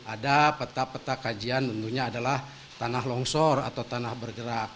ada peta peta kajian tentunya adalah tanah longsor atau tanah bergerak